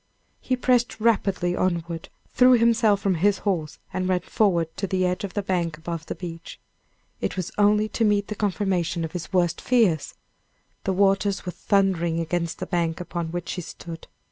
He pressed rapidly onward, threw himself from his horse, and ran forward to the edge of the bank above the beach. It was only to meet the confirmation of his worst fears! The waters were thundering against the bank upon which he stood.